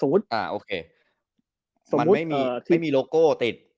มันไม่มีโลโก้ติด